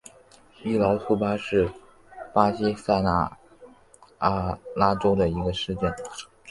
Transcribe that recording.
伊劳苏巴是巴西塞阿拉州的一个市镇。